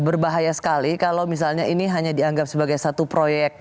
berbahaya sekali kalau misalnya ini hanya dianggap sebagai satu proyek